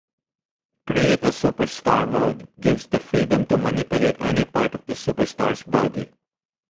"Create-A-Superstar mode" gives the freedom to manipulate any part of the superstar's body.